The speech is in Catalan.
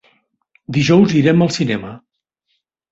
Dijous irem al cinema.